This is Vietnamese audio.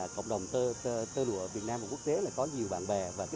cộng đồng tơ lụa việt nam và quốc tế là có nhiều bạn bè